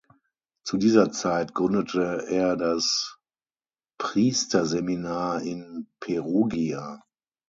Zu dieser Zeit gründete er das Priesterseminar in Perugia.